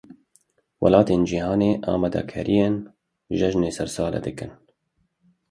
Welatên cîhanê amadekariyên cejna sersalê dikin.